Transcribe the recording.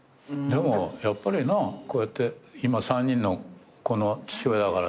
でもやっぱりなこうやって今３人の子の父親だからね。